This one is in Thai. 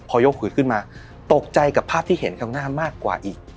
พอยกหูขึ้นมาตกใจกับภาพที่เห็นข้างหน้ามากกว่าอีก